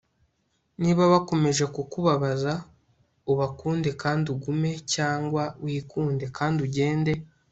niba bakomeje kukubabaza, ubakunde kandi ugume cyangwa wikunde kandi ugende